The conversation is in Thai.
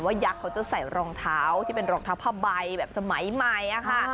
ว่ายักษ์จะใส่รองเท้าที่เป็นรองเท้าภาวใบแบบสมัยใหม่